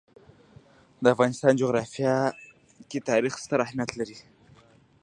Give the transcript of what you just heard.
د افغانستان جغرافیه کې تاریخ ستر اهمیت لري.